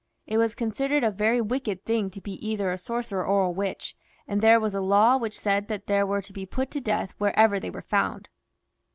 It was considered a very wicked thing to be either a sorcerer or a witch, and there was a law which said that they were to be put to death wherever they were found.